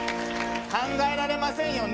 考えられませんよね、ね？